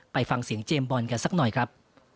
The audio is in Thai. ไปฟังเสียงเจมส์บอลกันสักหน่อยครับ